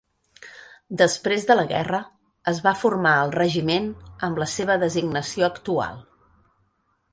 Després de la guerra, es va formar el regiment amb la seva designació actual.